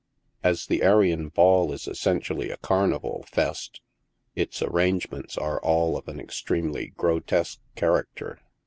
As the Arion Ball is essentially a carnival /est, its arrangements are all of an extremely grotesque character.